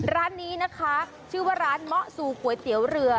ร้านนี้นะคะชื่อว่าร้านเมาะซูก๋วยเตี๋ยวเรือ